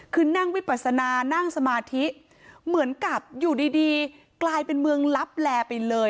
คือนั่งวิปัสนานั่งสมาธิเหมือนกับอยู่ดีกลายเป็นเมืองลับแลไปเลย